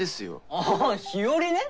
ああ日和ね。